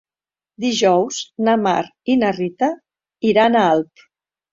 Dijous na Mar i na Rita iran a Alp.